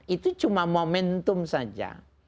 itu momentum saja